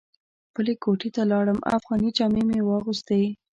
خپلې کوټې ته لاړم افغاني جامې مې واغوستې.